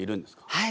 はい。